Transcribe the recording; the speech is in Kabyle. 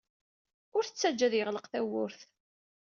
Ur t-ttajja ad yeɣleq tawwurt.